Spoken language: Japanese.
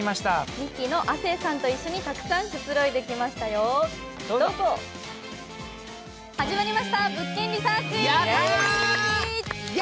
ミキの亜生さんと一緒にたくさんくつろいできましたよ始まりました「物件リサーチ」。